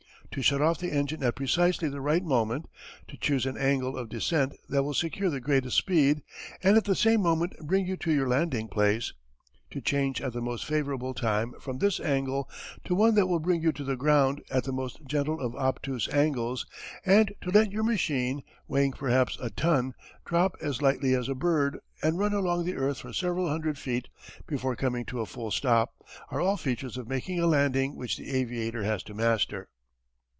To shut off the engine at precisely the right moment, to choose an angle of descent that will secure the greatest speed and at the same moment bring you to your landing place, to change at the most favourable time from this angle to one that will bring you to the ground at the most gentle of obtuse angles, and to let your machine, weighing perhaps a ton, drop as lightly as a bird and run along the earth for several hundred feet before coming to a full stop, are all features of making a landing which the aviator has to master.